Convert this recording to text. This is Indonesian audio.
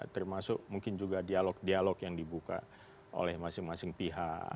termasuk mungkin juga dialog dialog yang dibuka oleh masing masing pihak